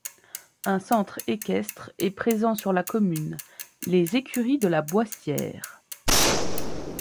Un centre équestre est présent sur la commune: Les Ecuries de la Boissière.